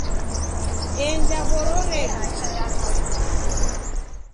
Enja voro redu